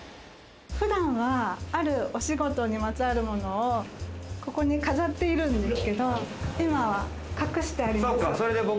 普段は、あるお仕事にまつわるものをここに飾っているんですけど、今は隠してあります。